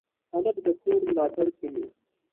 هلک د کور ملاتړ کوي.